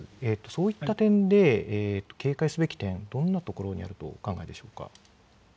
そういった点で警戒すべき点、どんなところになるとお考えでしょうか？